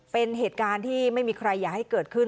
เป็นเหตุการณ์ที่ไม่มีใครอยากให้เกิดขึ้น